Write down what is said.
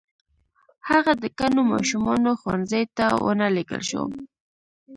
هغه د کڼو ماشومانو ښوونځي ته و نه لېږل شو.